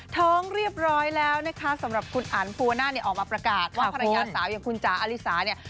ท้องเรียบร้อยแล้วนะคะสำหรับคุณอันภูวนาเนี่ยออกมาประกาศว่าภรรยาสาวอย่างคุณจ๋าอลิสาเนี่ย